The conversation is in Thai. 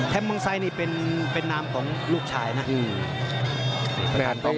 แถมบังไซค์นี่เป็นเป็นนามของลูกชายนะ